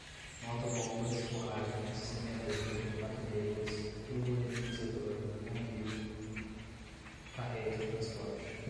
motobombas, forragens, semeadeira, batedeiras, turbonebulizador, combio, carreta, transporte